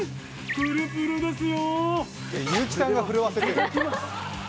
プルプルですよ。